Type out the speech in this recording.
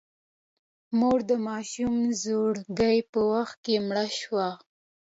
مور د ماشوم زوکړې په وخت کې مړه شوه.